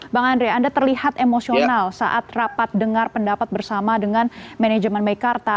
bang andre anda terlihat emosional saat rapat dengar pendapat bersama dengan manajemen meikarta